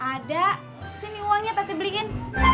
ada sini uangnya tati belikin